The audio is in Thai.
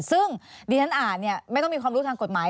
ซึ่งดิฉันอ่านเนี่ยไม่ต้องมีความรู้ทางกฎหมาย